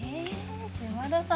島田さん